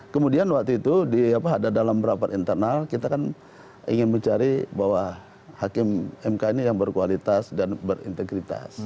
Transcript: kemudian waktu itu ada dalam rapat internal kita kan ingin mencari bahwa hakim mk ini yang berkualitas dan berintegritas